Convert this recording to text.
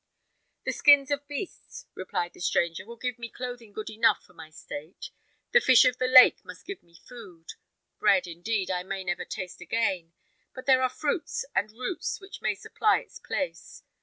"The skins of beasts," replied the stranger, "will give me clothing good enough for my state: the fish of the lake must give me food. Bread, indeed, I may never taste again, but there are fruits and roots which may supply its place.